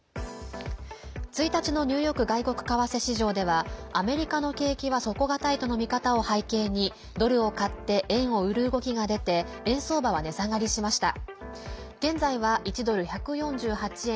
１日のニューヨーク外国為替市場ではアメリカの景気は底堅いとの見方を背景にドルを買って円を売る動きが出て円相場は値下がりしました。